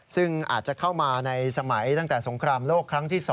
ซึ่งอาจจะเข้ามาในสมัยตั้งแต่สงครามโลกครั้งที่๒